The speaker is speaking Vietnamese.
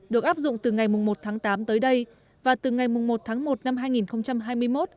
được áp dụng từ ngày một tháng tám tới đây và từ ngày một tháng một năm hai nghìn hai mươi một